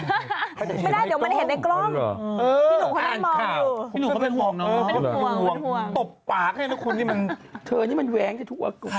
ไม่ได้เดี๋ยวมันเห็นในกล้อง